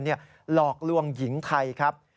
หลอกลวงหญิงไทยครับ